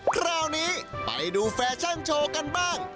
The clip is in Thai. คราวนี้ไปดูแฟชั่นโชว์กันบ้าง